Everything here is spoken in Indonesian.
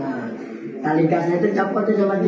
nah tali gasnya itu nyempotin sama dia